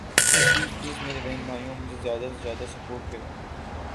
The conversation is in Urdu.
پلیز پلیز میرے بہن بھائیوں مجھے زیادہ سے زیادہ سپورٹ کریں